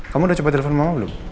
kamu udah coba telepon mau belum